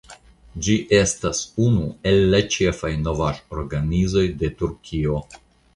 Ĝi estas unu el la ĉefaj novaĵorganizoj de Turkio.